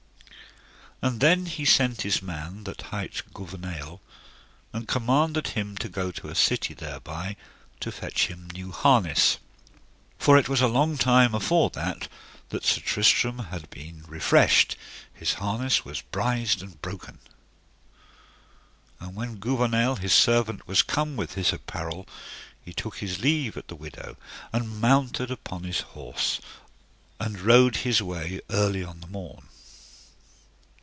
And then he sent his man that hight Gouvernail, and commanded him to go to a city thereby to fetch him new harness; for it was long time afore that that Sir Tristram had been refreshed, his harness was brised and broken. And when Gouvernail, his servant, was come with his apparel, he took his leave at the widow, and mounted upon his horse, and rode his way early on the morn.